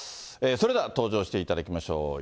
それでは登場していただきましょう。